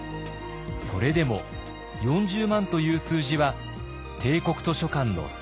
それでも４０万という数字は帝国図書館の３倍。